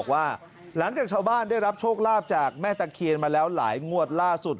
ว่าหลังจากชาวบ้านได้รับโชคลาภจากแม่ตะเคียนมาแล้วหลายงวดล่าสุด